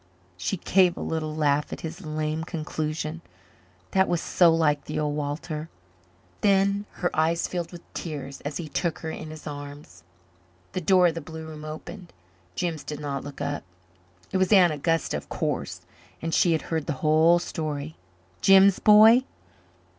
She gave a little laugh at his lame conclusion. That was so like the old Walter. Then her eyes filled with tears as he took her in his arms. The door of the blue room opened. Jims did not look up. It was Aunt Augusta, of course and she had heard the whole story. "Jims, boy."